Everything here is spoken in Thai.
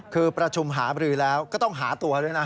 คือประชุมหาบรือแล้วก็ต้องหาตัวด้วยนะ